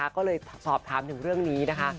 ก็เลยสอบถามถึงเรื่องนี้นะคะ